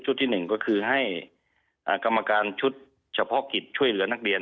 ที่หนึ่งก็คือให้กรรมการชุดเฉพาะกิจช่วยเหลือนักเรียน